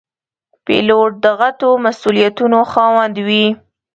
پیلوټ د غټو مسوولیتونو خاوند وي.